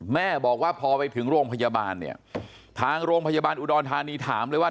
แม่บอกว่าพอไปถึงโรงพยาบาลเนี่ยทางโรงพยาบาลอุดรธานีถามเลยว่า